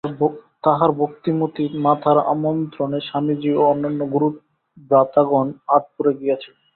তাঁহার ভক্তিমতী মাতার আমন্ত্রণে স্বামীজী ও অন্যান্য গুরুভ্রাতাগণ আঁটপুরে গিয়াছিলেন।